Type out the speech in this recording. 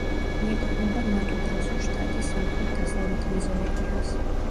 მიეკუთვნება მატუ-გროსუს შტატის სამხრეთ-დასავლეთ მეზორეგიონს.